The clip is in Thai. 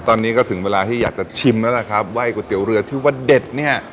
ตอนนี้ก็ถึงเวลาที่อยากจะชิมแล้วล่ะครับว่าก๋วยเตี๋ยวเรือที่ว่าเด็ดเนี่ย